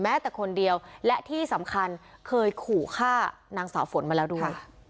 แต่คนเดียวและที่สำคัญเคยขู่ฆ่านางสาวฝนมาแล้วด้วย